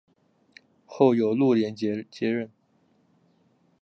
后由陆联捷接任。